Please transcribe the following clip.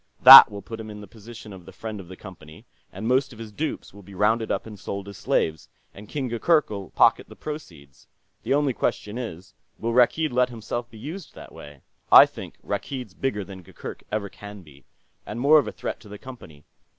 That will put him in the position of the friend of the Company, and most of his dupes will be rounded up and sold as slaves, and King Gurgurk'll pocket the proceeds. The only question is, will Rakkeed let himself be used that way? I think Rakkeed's bigger than Gurgurk ever can be. And more of a threat to the Company.